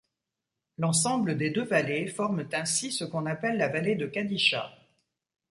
L'ensemble des deux vallées forment ainsi ce qu'on appelle la vallée de Qadisha.